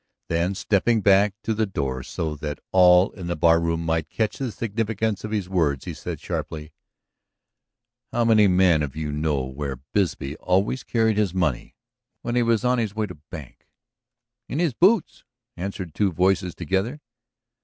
Then, stepping back to the door so that all in the barroom might catch the significance of his words, he said sharply: "How many men of you know where Bisbee always carried his money when he was on his way to bank?" "In his boots!" answered two voices together.